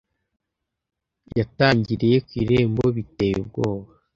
Yatangiriye ku irembo biteye ubwoba